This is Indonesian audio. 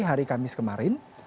hari kamis kemarin